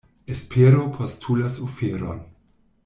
Espero postulas oferon.